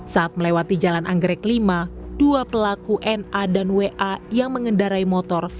saat melewati jalan anggrek lima dua pelaku na dan wa yang mengendarai motor